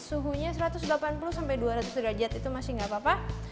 suhunya satu ratus delapan puluh sampai dua ratus derajat itu masih gak apa apa